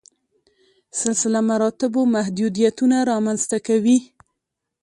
سلسله مراتبو محدودیتونه رامنځته کوي.